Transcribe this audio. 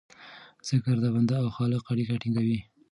ذکر د بنده او خالق اړیکه ټینګوي.